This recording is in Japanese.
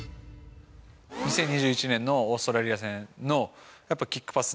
２０２１年のオーストラリア戦のやっぱキックパス。